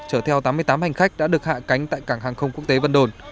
chở theo tám mươi tám hành khách đã được hạ cánh tại cảng hàng không quốc tế vân đồn